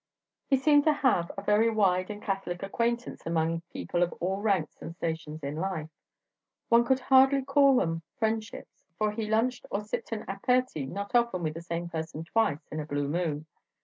He seemed to have a very wide and catholic acquaintance among people of all ranks and stations in life; one could hardly call them friendships, for he lunched or sipped an aperti not often with the same person twice in a blue moon.